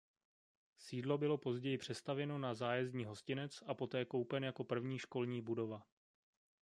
Sídlo bylo později přestavěno na zájezdní hostinec a poté koupen jako první školní budova.